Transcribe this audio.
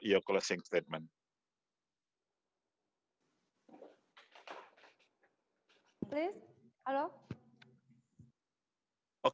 dan juga ulasan penutup anda